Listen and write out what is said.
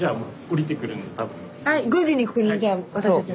５時にここにじゃあ私たちも。